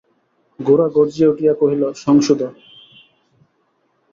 গোরা গর্জিয়া উঠিয়া কহিল, সংশোধন!